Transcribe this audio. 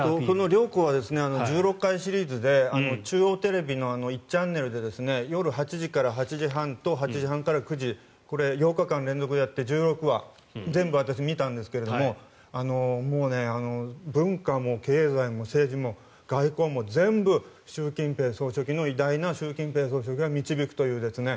「領航」は１６回シリーズで中央テレビの１チャンネルで夜８時から８時半と８時半から９時８日間連続でやって１６話、全部私見たんですがもう文化も経済も政治も外交も全部、習近平総書記の偉大な習近平総書記が導くという。